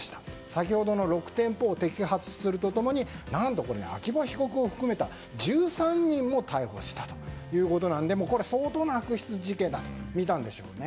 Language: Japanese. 先ほどの６店舗を摘発すると共に何と秋葉被告を含めた１３人も逮捕したということで相当な悪質事件だと見たんでしょうね。